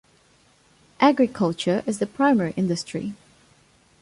Agriculture is the primary industry.